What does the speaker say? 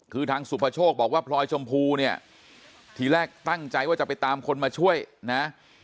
คือทางสุภโชคบอกว่าพลอยชมพูเนี่ยทีแรกตั้งใจว่าจะไปตามคนมาช่วยนะ